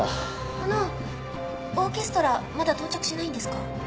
あのオーケストラまだ到着しないんですか？